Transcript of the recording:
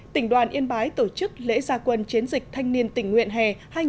tỉnh đoàn yên bái tổ chức lễ gia quân chiến dịch thanh niên tỉnh nguyện hè hai nghìn một mươi chín